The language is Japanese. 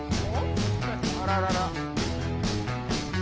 あららら！